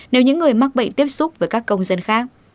nếu những người mắc bệnh tiếp xúc với các công dân khác